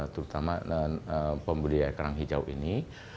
terutama pembeli kerang hijau ini